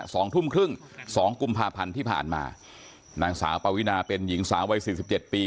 สองทุ่มครึ่งสองกุมภาพันธ์ที่ผ่านมานางสาวปวินาเป็นหญิงสาววัยสี่สิบเจ็ดปี